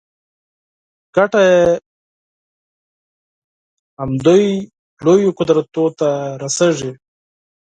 ګټه یې همدوی لویو قدرتونو ته رسېږي.